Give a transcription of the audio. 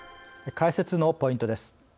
解説のポイントです。